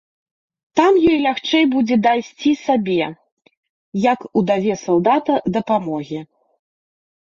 Там ёй лягчэй будзе дайсці сабе, як удаве салдата, дапамогі.